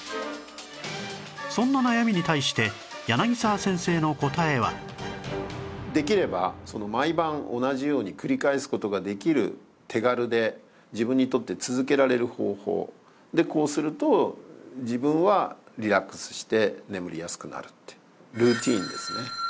そんな悩みに対してできれば毎晩同じように繰り返す事ができる手軽で自分にとって続けられる方法でこうすると自分はリラックスして眠りやすくなるってルーティンですね。